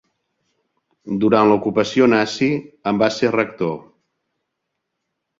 Durant l'ocupació nazi en va ser Rector.